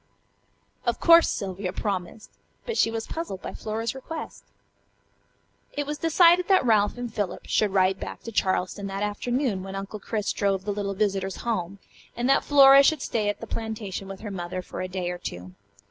Of course Sylvia promised, but she was puzzled by Flora's request. It was decided that Ralph and Philip should ride back to Charleston that afternoon when Uncle Chris drove the little visitors home, and that Flora should stay at the plantation with her mother for a day or two.